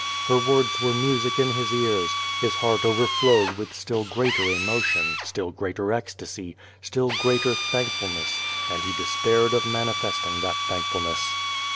Her words were music in his ears, his heart overflowed with still greater emotion, still greater ecstasy, still greater thankfulness, and he despaired of manifesting that thankfulness.